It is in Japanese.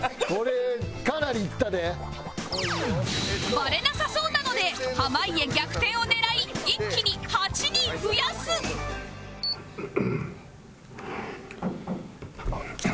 バレなさそうなので濱家逆転を狙い一気に８人増やす！来た！